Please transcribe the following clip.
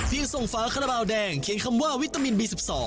เพียงส่งฝาขนาดราวแดงเขียนคำว่าวิตามินบี๑๒